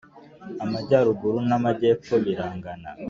Amajyaruguru na majyepfo birangana.